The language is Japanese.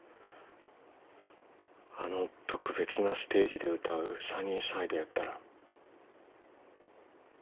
あの特別なステージで歌う「サニーサイド」やったら。